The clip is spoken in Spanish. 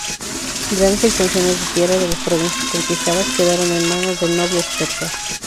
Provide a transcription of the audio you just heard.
Grandes extensiones de tierra de las provincias conquistadas quedaron en manos de nobles persas.